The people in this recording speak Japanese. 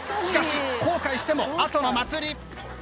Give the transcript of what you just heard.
しかし後悔しても後の祭り。